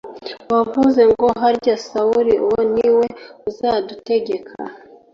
wavuze ngo Harya Sawuli uwo ni we uzadutegeka